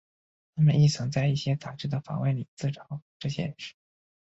他们亦曾在一些杂志的访问里自嘲这件事。